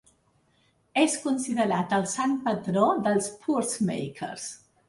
És considerat el Sant patró dels pursemakers.